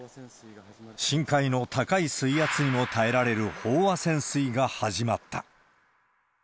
深海の高い水圧にも耐えられる飽和潜水が始まった。